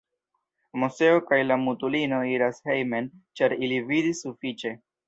Moseo kaj la mutulino iras hejmen, ĉar ili vidis sufiĉe.